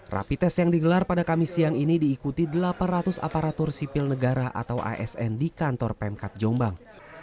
rapi tes yang digelar pada kamis siang ini diikuti delapan ratus aparatur sipil negara atau asn di kantor pemkap jombang